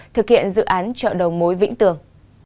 thực hiện dự án chợ đầu mối vĩnh tường